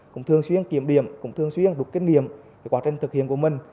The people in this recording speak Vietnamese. cũng thường xuyên kiểm điểm cũng thường xuyên đột kết nghiệm quá trình thực hiện của mình